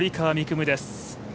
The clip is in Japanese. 夢です。